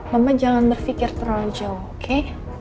mama jangan berpikir terlalu jauh oke